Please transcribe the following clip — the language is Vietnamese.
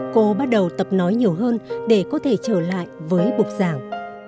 cô bắt đầu tập nói nhiều hơn để có thể trở lại với bục giảng